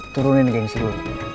turunin gengsi lo